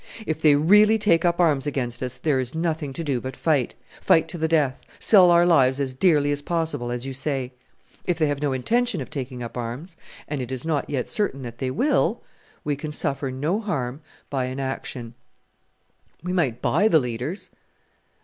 If they really take up arms against us, there is nothing to do but fight fight to the death, sell our lives as dearly as possible, as you say. If they have no intention of taking up arms and it is not yet certain that they will we can suffer no harm by inaction." "We might buy the leaders."